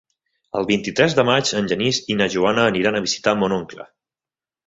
El vint-i-tres de maig en Genís i na Joana aniran a visitar mon oncle.